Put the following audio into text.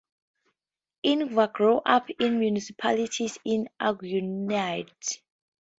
Ingvar grew up in the municipality, in Agunnaryd.